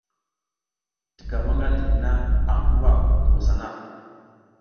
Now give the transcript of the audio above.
Tika maƞgal ɗik na aƞ ɗuwa ngwas hana.